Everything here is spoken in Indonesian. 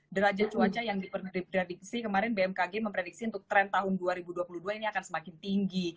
derajat cuaca yang diprediksi kemarin bmkg memprediksi untuk tren tahun dua ribu dua puluh dua ini akan semakin tinggi